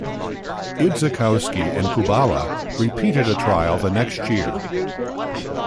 Idzikowski and Kubala repeated a trial the next year.